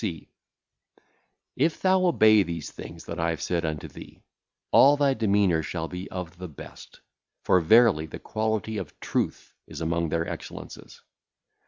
C. If thou obey these things that I have said unto thee, all thy demeanour shall be of the best; for, verily, the quality of truth is among their excellences.